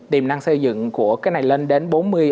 tiềm năng xây dựng của cái này lên đến